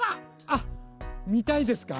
あっみたいですか？